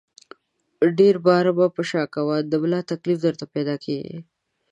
ډېر بار مه په شا کوه ، د ملا تکلیف درته پیدا کېږي!